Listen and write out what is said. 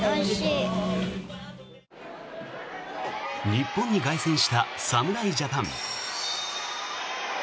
日本に凱旋した侍ジャパン。